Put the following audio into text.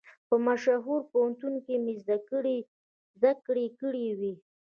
په مشهورو پوهنتونو کې مې زده کړې کړې وې.